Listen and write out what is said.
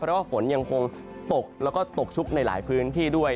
เพราะว่าฝนยังคงตกแล้วก็ตกชุกในหลายพื้นที่ด้วย